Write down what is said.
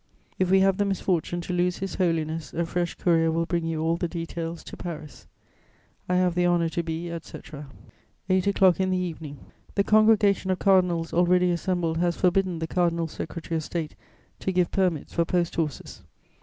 If we have the misfortune to lose His Holiness, a fresh courier will bring you all the details to Paris. "I have the honour to be, etc." "Eight o'clock in the evening. "The congregation of Cardinals already assembled has forbidden the Cardinal Secretary of State to give permits for post horses.